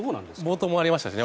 暴投もありましたしね。